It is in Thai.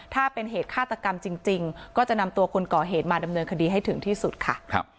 ถ้าเป็นเหตุฆาตกรรมจริงก็จะนำตัวคนก่อเหตุมาดำเนินคดีให้ถึงที่สุดค่ะ